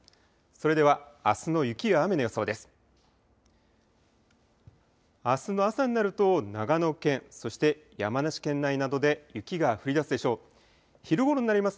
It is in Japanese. それではあすの雪や雨の予想です。